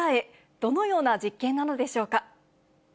どのような実験なのでしょうか。